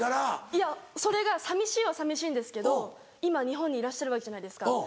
いやそれが寂しいは寂しいんですけど今日本にいらっしゃるわけじゃないですか。